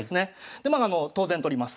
でまあ当然取ります。